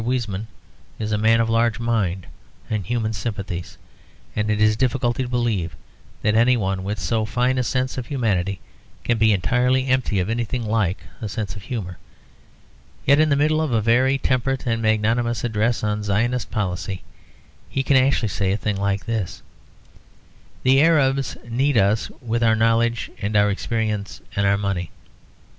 Weizmann is a man of large mind and human sympathies; and it is difficult to believe that any one with so fine a sense of humanity can be entirely empty of anything like a sense of humour. Yet, in the middle of a very temperate and magnanimous address on "Zionist Policy," he can actually say a thing like this, "The Arabs need us with our knowledge, and our experience and our money.